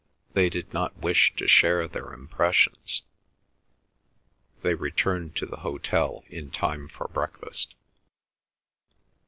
They did not wish to share their impressions. They returned to the hotel in time for breakfast.